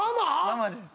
ママです